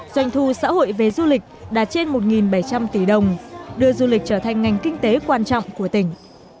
doanh thu xã hội về du lịch đạt trên một bảy trăm linh tỷ đồng đưa du lịch trở thành ngành kinh tế quan trọng của tỉnh